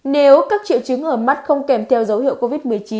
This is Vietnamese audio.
nếu các triệu chứng ở mắt không kèm theo dấu hiệu covid một mươi chín